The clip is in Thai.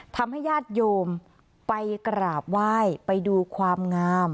ญาติโยมไปกราบไหว้ไปดูความงาม